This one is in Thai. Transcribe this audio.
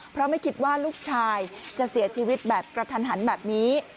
เพราะไม่คิดว่าลูกชายจะเสียชีวิตแบบกระทันหันแบบนี้